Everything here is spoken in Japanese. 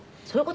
そう。